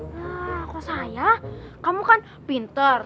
nah kalau saya kamu kan pinter